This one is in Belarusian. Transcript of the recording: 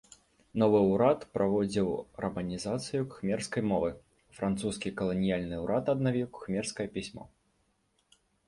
Новы ўрад праводзіў раманізацыю кхмерскай мовы, французскі каланіяльны ўрад аднавіў кхмерскае пісьмо.